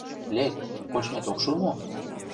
Лек, кочмет ок шу мо?